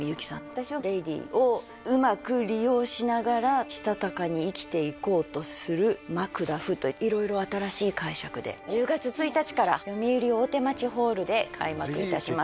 私はレイディをうまく利用しながらしたたかに生きていこうとするマクダフという色々新しい解釈で１０月１日からよみうり大手町ホールで開幕いたします